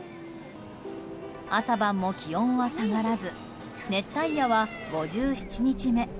朝晩も気温は下がらず熱帯夜は５７日目。